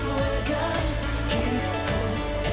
はい。